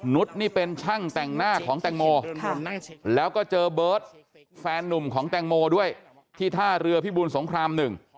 นี่เป็นช่างแต่งหน้าของแตงโมแล้วก็เจอเบิร์ตแฟนนุ่มของแตงโมด้วยที่ท่าเรือพิบูลสงครามหนึ่ง